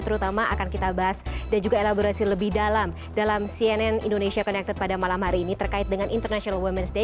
terutama akan kita bahas dan juga elaborasi lebih dalam dalam cnn indonesia connected pada malam hari ini terkait dengan international ⁇ womens ⁇ day